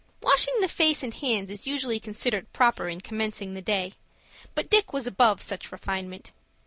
Washing the face and hands is usually considered proper in commencing the day, but Dick was above such refinement.